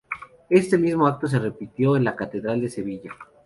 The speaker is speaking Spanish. Este mismo acto se repitió en la Catedral de Sevilla.